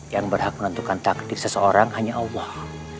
yang berhak menentukan takdir seseorang hanya allah